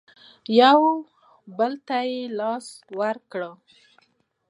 یو بل ته لاس ورکړئ